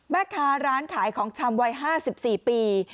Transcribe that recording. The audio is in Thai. แม่ค้าร้านขายของชำวัย๕๔ปี